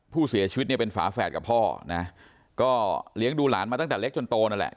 ผู้เสียชีวิตเนี่ยเป็นฝาแฝดกับพ่อนะก็เลี้ยงดูหลานมาตั้งแต่เล็กจนโตนั่นแหละ